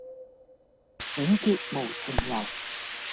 永結無情遊，